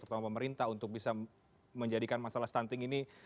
terutama pemerintah untuk bisa menjadikan masalah stunting ini